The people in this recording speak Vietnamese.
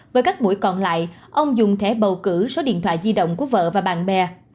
với các buổi còn lại ông dùng thẻ bầu cử số điện thoại di động của vợ và bạn bè